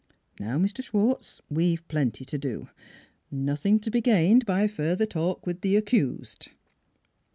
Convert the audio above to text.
... Now, Mr. Schwartz, we've plenty to do. Nothing to be gained by further talk with the accused."